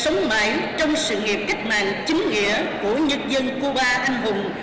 sống mãi trong sự nghiệp cách mạng chính nghĩa của nhân dân cuba anh hùng